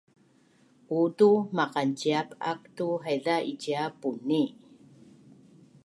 uutu maqanciap ak tu haiza icia Puni